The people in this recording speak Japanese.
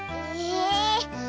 え。